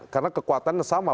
karena kekuatannya sama